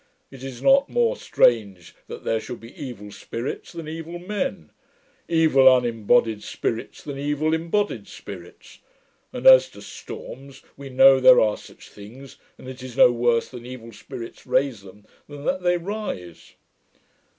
It is not more strange that there should be evil spirits, than evil embodied spirits. And as to storms, we know there are such things; and it is no worse that evil spirits raise them, than that they rise.'